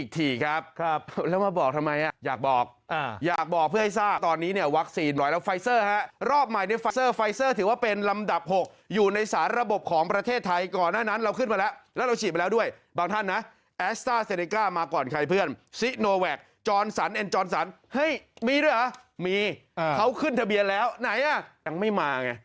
แต่เขาว่าหนึ่งยี่ห้อพร้อมฉีดเลยหรือเปล่า